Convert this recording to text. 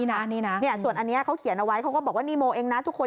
อันนี้นะส่วนอันนี้เขาเขียนเอาไว้เขาก็บอกว่านี่โมเองนะทุกคน